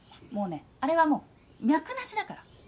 もうねあれはもう脈なしだから。